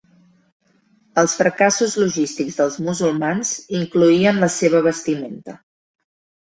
Els fracassos logístics dels musulmans incloïen la seva vestimenta.